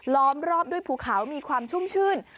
ล้อมรอบด้วยภูเขามีความชุ่มชื่น